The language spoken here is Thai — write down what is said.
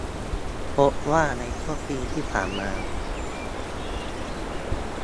พบว่าในช่วงปีที่ผ่านมา